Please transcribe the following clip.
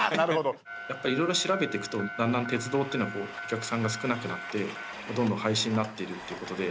やっぱり、いろいろ調べていくとだんだん鉄道っていうのはお客さんが少なくなってどんどん廃止になってるってことで。